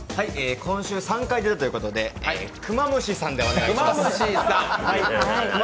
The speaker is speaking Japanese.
今週３回出たということで「＃クマムシさん」でお願いします。